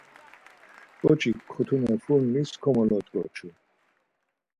Ǩoçik kotume furnis komolot̆ǩoçu.